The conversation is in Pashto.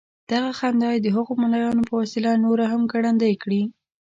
دغه خندا یې د هغو ملايانو په وسيله نوره هم ګړندۍ کړې.